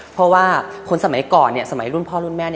เพราะว่าคนสมัยก่อนสมัยรุ่นพ่อรุ่นแม่